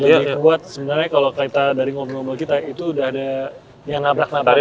jadi buat sebenarnya kalau kita dari ngomong ngomong kita itu sudah ada yang nabrak nabrak